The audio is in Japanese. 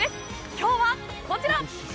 今日は、こちら！